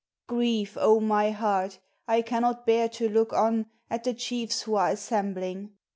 Grieve oh, my heart! I cannot bear to look on, At the chiefs who are assembling.